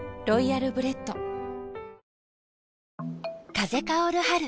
風薫る春。